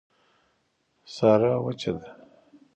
صحرا وچه ده